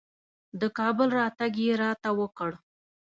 د کابل راتګ یې راته وکړ.